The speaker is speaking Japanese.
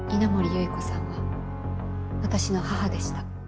有依子さんは私の母でした。